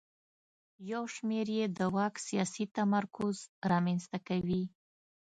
یو شمېر یې د واک سیاسي تمرکز رامنځته کوي.